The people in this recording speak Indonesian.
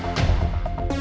makasih ya sayang